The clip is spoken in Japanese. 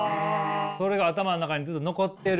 それが頭の中にずっと残ってる。